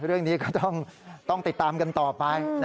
เรื่องนี้ก็ต้องติดตามกันต่อไป